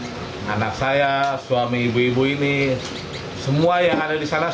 jadi anak saya suami ibu ibu ini semua yang ada di sana